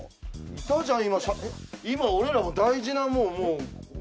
今俺らも大事なもん